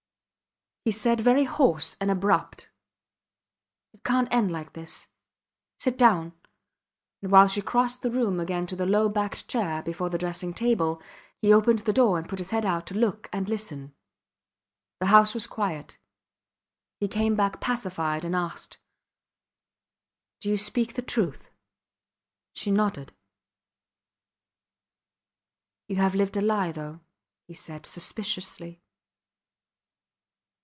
He said, very hoarse and abrupt: It cant end like this. ... Sit down; and while she crossed the room again to the low backed chair before the dressing table, he opened the door and put his head out to look and listen. The house was quiet. He came back pacified, and asked Do you speak the truth? She nodded. You have lived a lie, though, he said, suspiciously.